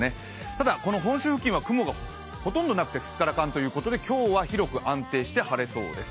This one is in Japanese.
ただ、この本州付近は雲がほとんどなくてすっからかんということで今日は広く安定して晴れそうです。